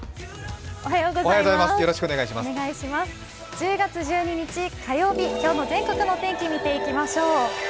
１０月１２日、火曜日、今日の全国の天気見ていきましょう。